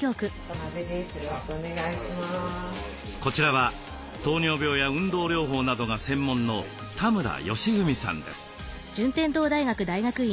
こちらは糖尿病や運動療法などが専門の田村好史さんです。